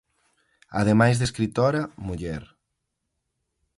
Ademais de escritora, muller.